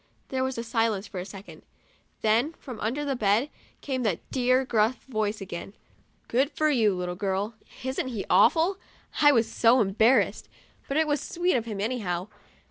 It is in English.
There was silence for a second, then, from under the bed, came that dear, gruff voice again, " Good for you, little girl?'* Isn't he awful? I was so embarrassed; but it was sweet of him, anyhow.